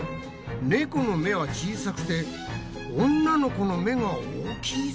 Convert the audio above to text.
猫の目は小さくて女の子の目が大きいぞ。